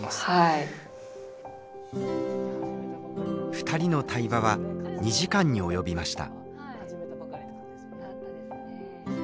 ２人の対話は２時間に及びました。